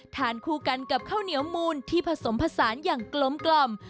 ทานคู่กันกับข้าวเหนียวมูลที่ผสมผสานอย่างกลม